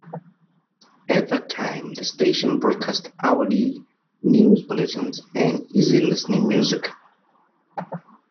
At that time the station broadcast hourly news bulletins and easy listening music.